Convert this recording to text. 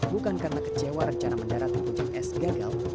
bukan karena kecewa rencana mendarat di puncak es gagal